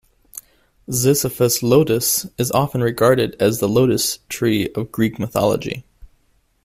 "Ziziphus lotus" is often regarded as the lotus tree of Greek mythology.